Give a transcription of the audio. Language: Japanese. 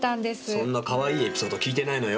そんなかわいいエピソード聞いてないのよ。